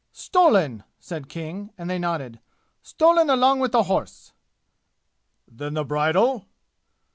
"Stolen!" said King, and they nodded. "Stolen along with the horse!" "Then the bridle?"